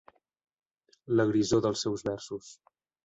La grisor dels seus versos.